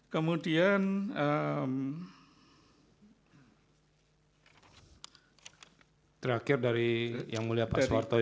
kemudian terakhir dari yang mulia pak soeharto